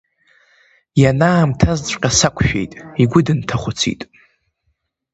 Ианаамҭазҵәҟьа сақәшәеит игәы дынҭахәыцит.